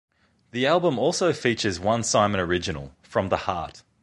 The album also features one Simon original, "From the Heart".